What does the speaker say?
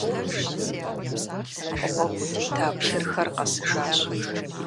Гъуэгум тета плъырхэр къэсыжащ.